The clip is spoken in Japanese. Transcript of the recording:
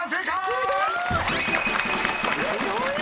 すごーい！